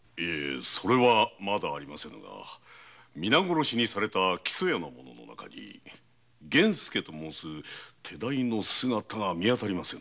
それはまだありませぬが皆殺しにされた木曽屋の者の中に源助と申す手代の姿が見当たりませぬ。